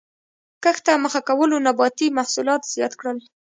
کښت ته مخه کولو نباتي محصولات زیات کړل